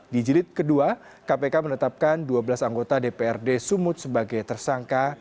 di jilid kedua kpk menetapkan dua belas anggota dprd sumut sebagai tersangka